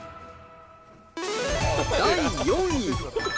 第４位。